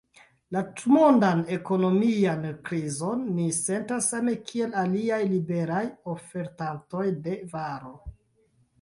La tutmondan ekonomian krizon ni sentas same kiel aliaj liberaj ofertantoj de varo.